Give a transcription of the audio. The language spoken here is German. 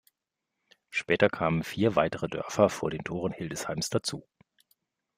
Später kamen vier weitere Dörfer vor den Toren Hildesheims dazu.